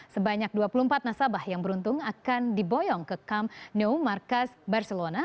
sebanyak dua puluh empat nasabah yang beruntung akan diboyong ke kamno markas barcelona